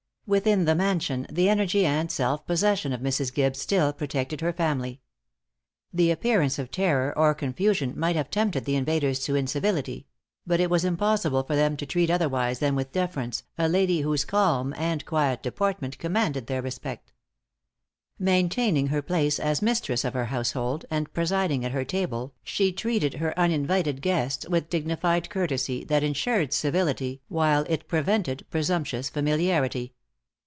Within the mansion the energy and self possession of Mrs. Gibbes still protected her family. The appearance of terror or confusion might have tempted the invaders to incivility; but it was impossible for them to treat otherwise than with deference, a lady whose calm and quiet deportment commanded their respect. Maintaining her place as mistress of her household, and presiding at her table, she treated her uninvited guests with a dignified courtesy that ensured civility while it prevented presumptuous familiarity.